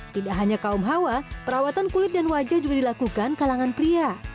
tidak hanya kaum hawa perawatan kulit dan wajah juga dilakukan kalangan pria